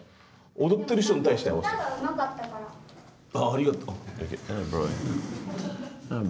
ありがとう。